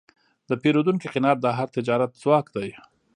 د پیرودونکي قناعت د هر تجارت ځواک دی.